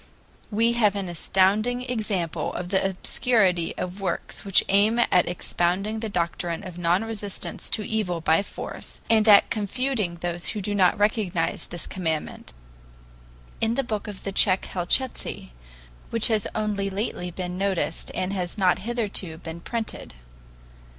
We have an astounding example of the obscurity of works which aim at expounding the doctrine of non resistance to evil by force, and at confuting those who do not recognize this commandment, in the book of the Tsech Helchitsky, which has only lately been noticed and has not hitherto been printed.